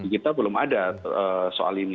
kita belum ada soal ini